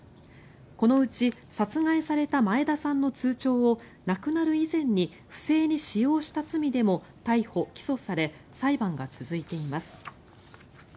このうち殺害された前田さんの通帳を亡くなる以前に不正に使用した罪でも逮捕・起訴され裁判が続いています。